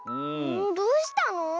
どうしたの？